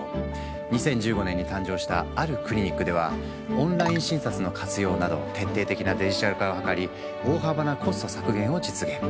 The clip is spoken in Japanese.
２０１５年に誕生したあるクリニックではオンライン診察の活用など徹底的なデジタル化を図り大幅なコスト削減を実現。